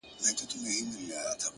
په سپوږمۍ كي زمـــا ژوندون دى’